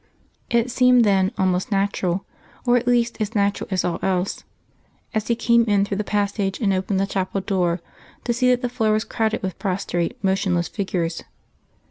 It seemed then almost natural or at least as natural as all else as he came in through the passage and opened the chapel door, to see that the floor was crowded with prostrate motionless figures.